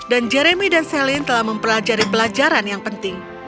dan jeremy dan celine telah mempelajari pelajaran yang penting